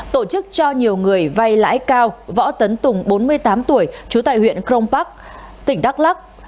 tổ chức cho nhiều người vay lãi cao võ tấn tùng bốn mươi tám tuổi trú tại huyện crong park tỉnh đắk lắc